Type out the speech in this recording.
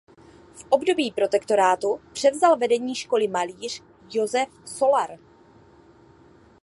V období protektorátu převzal vedení školy malíř Josef Solar.